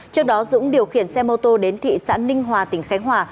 trước đó dũng điều khiển xe mô tô đến thị xã ninh hòa tỉnh khánh hòa